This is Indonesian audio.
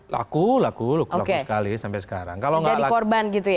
laku laku laku laku sekali sampai sekarang kalau nggak laku jadi korban itu ya kalau nggak laku laku